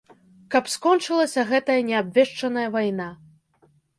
Каб скончылася гэтая неабвешчаная вайна.